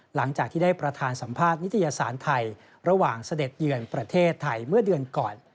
หลังจากที่ได้ประธานสัมภาษณ์นิตยสารไทยระหว่างเสด็จเยือนประเทศไทยเมื่อเดือนก่อน